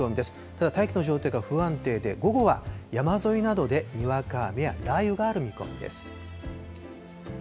ただ、大気の状態が不安定で、午後は山沿いなどでにわか雨や雷雨がある見込みです。